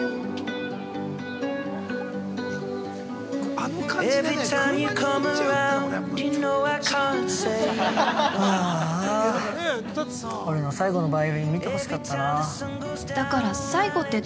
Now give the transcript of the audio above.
◆あーあ、俺の最後のバイオリン見てほしかったなぁ。